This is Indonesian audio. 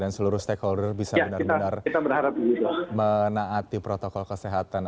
dan seluruh stakeholder bisa benar benar menaati protokol kesehatan